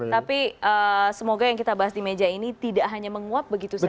tapi semoga yang kita bahas di meja ini tidak hanya menguap begitu saja